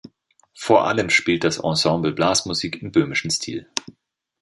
Vor allem spielt das Ensemble Blasmusik im böhmischen Stil.